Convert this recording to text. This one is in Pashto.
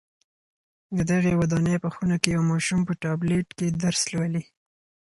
د دغي ودانۍ په خونه کي یو ماشوم په ټابلېټ کي درس لولي.